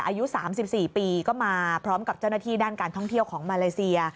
อายุ๓๔ปีก็มาพร้อมกับเจ้าหน้าที่ด้านการท่องเที่ยวของมาเลเซีย